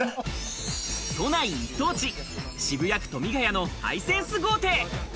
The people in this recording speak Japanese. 都内一等地、渋谷区富ヶ谷のハイセンス豪邸。